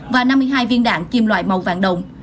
và năm mươi hai viên đạn kim loại màu vàng đồng